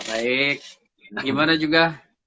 baik gimana juga